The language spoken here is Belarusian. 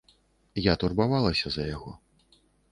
Я турбавалася за яго.